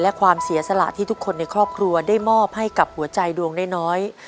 และความเสียสละที่ทุกคนในครอบครัวได้มอบให้กับหัวใจดวงน้อย